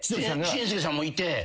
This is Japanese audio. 紳助さんもいて。